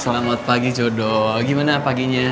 selamat pagi jodoh gimana paginya